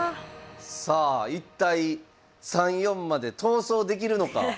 さあ一体３四まで逃走できるのか。